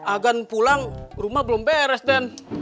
agan pulang rumah belum beres den